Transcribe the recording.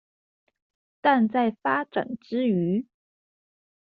但在發展之餘